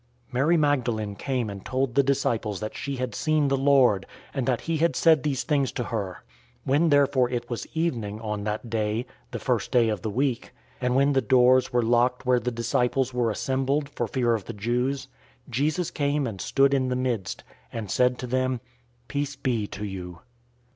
'" 020:018 Mary Magdalene came and told the disciples that she had seen the Lord, and that he had said these things to her. 020:019 When therefore it was evening, on that day, the first day of the week, and when the doors were locked where the disciples were assembled, for fear of the Jews, Jesus came and stood in the midst, and said to them, "Peace be to you."